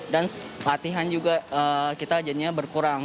dan juga melakukan latihan yang berkurang